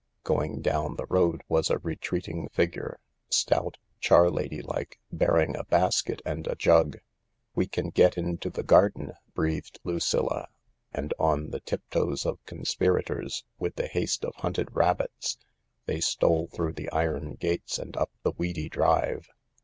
Going down the road was a retreating figure, stout, charlady like, bearing a basket and a jug. " We can get into the garden," breathed Lucilla, and on the tip toes of conspirators, with the haste of hunted rabbits, they stole through the iron gates and up the weedy drive.